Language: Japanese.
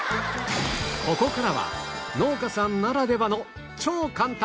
ここからは農家さんならではの超簡単！